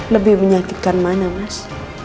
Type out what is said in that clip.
lebih menyakitkan mana mas